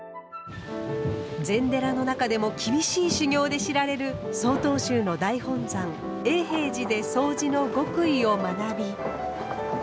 禅寺の中でも厳しい修行で知られる曹洞宗の大本山永平寺でそうじの極意を学び